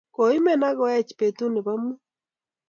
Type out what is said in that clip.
Koimen ak koeech peetut ne po muut